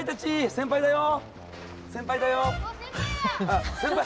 先輩だよ。